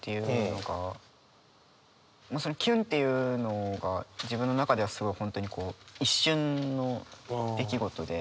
キュンっていうのが自分の中ではすごい本当にこう一瞬の出来事で。